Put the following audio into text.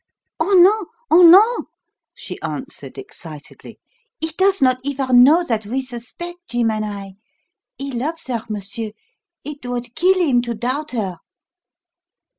"Oh, no! Oh, no!" she answered excitedly. "He does not even know that we suspect, Jim and I. He loves her, monsieur. It would kill him to doubt her."